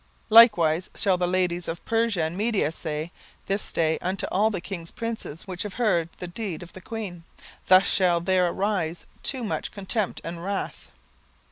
17:001:018 Likewise shall the ladies of Persia and Media say this day unto all the king's princes, which have heard of the deed of the queen. Thus shall there arise too much contempt and wrath.